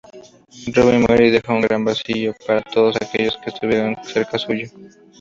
Roby muere y deja un gran vacío para todos aquellos que estuvieron cerca suyo.